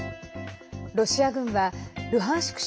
ロシア軍はルハンシク